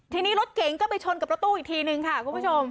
ทีนี้รถเก๋งก็ไปชนกับรถตู้อีกทีนึงค่ะคุณผู้ชม